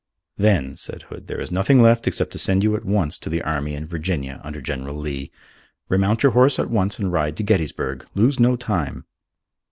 "Then," said Hood, "there is nothing left except to send you at once to the army in Virginia under General Lee. Remount your horse at once and ride to Gettysburg. Lose no time."